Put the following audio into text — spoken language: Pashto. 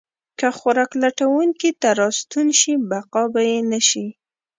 که خوراک لټونکي ته راستون شي، بقا به یې نه شي.